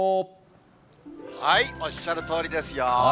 おっしゃるとおりですよ。